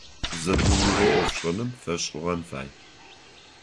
Зэпыугъо IофшIэным фэшIыгъэн фай.